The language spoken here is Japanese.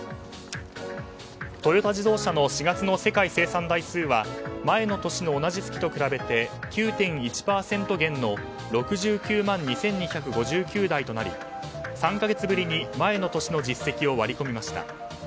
トヨタ自動車の４月の世界生産台数は前の年の同じ月と比べて９．１％減の６９万２２５９台となり３か月ぶりに前の年の実績を割り込みました。